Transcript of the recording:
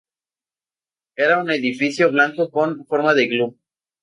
Era un edificio blanco con forma de iglú.